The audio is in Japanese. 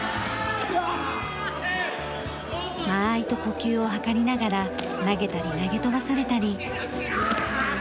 間合いと呼吸をはかりながら投げたり投げ飛ばされたり。